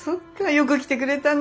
よく来てくれたね。